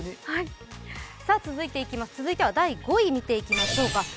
続いては第５位見ていきましょうか。